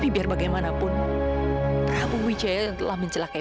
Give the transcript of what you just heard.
biarin aku pergi